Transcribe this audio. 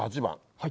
はい。